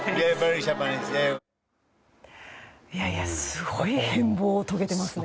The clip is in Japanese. すごい変貌を遂げていますね。